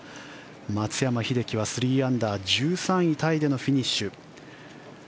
松山英樹は３アンダー１３位タイでのフィニッシュ。